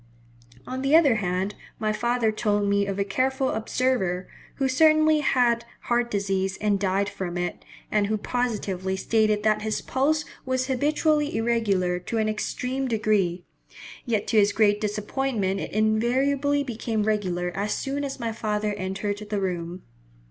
On the other hand, my father told me of a careful observer, who certainly had heart disease and died from it, and who positively stated that his pulse was habitually irregular to an extreme degree; yet to his great disappointment it invariably became regular as soon as my father entered the room.